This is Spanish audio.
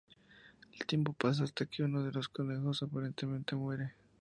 El tiempo pasa hasta que uno de los conejos aparentemente muere.